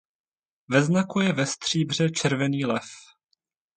Ve znaku je ve stříbře červený lev.